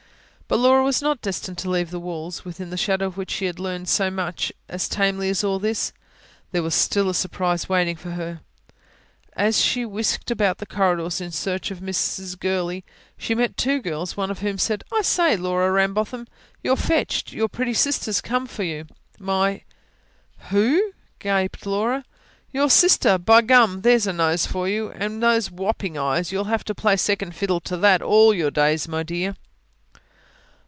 But Laura was not destined to leave the walls, within the shadow of which she had learned so much, as tamely as all this. There was still a surprise in waiting for her. As she whisked about the corridors in search of Mrs. Gurley, she met two girls, one of whom said: "I say, Laura Rambotham, you're fetched. Your pretty sister's come for you." "My ... who?" gaped Laura. "Your sister. By gum, there's a nose for you and those whopping eyes! You'll have to play second fiddle to THAT, all your days, my dear."